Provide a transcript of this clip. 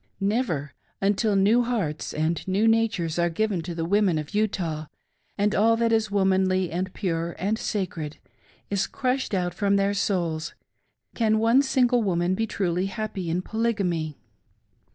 Never; until new hearts and new natures are given to the women of Utah, and all that is womanly, and pure, and sacred, is crushed out from their souls, can one single woman be truly happy in Polygamy